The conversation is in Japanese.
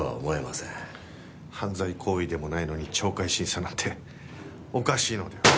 犯罪行為でもないのに懲戒審査なんておかしいのでは。